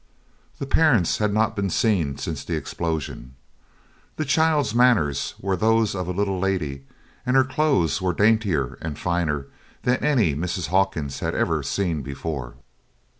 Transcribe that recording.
The parents had not been seen since the explosion. The child's manners were those of a little lady, and her clothes were daintier and finer than any Mrs. Hawkins had ever seen before.